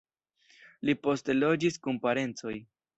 Li poste loĝis kun parencoj.